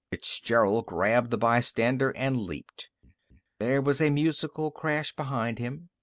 Fitzgerald grabbed the bystander and leaped. There was a musical crash behind him.